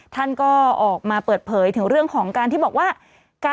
ท่านก็ออกมาเปิดเผยถึงเรื่องของการที่บอกว่า